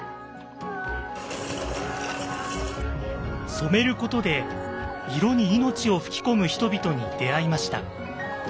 「染めること」で色に命を吹き込む人々に出会いました。